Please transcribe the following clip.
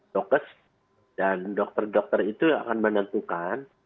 dokes dan dokter dokter itu yang akan menentukan